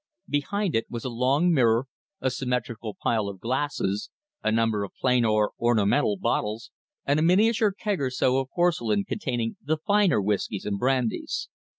Behind it was a long mirror, a symmetrical pile of glasses, a number of plain or ornamental bottles, and a miniature keg or so of porcelain containing the finer whiskys and brandies.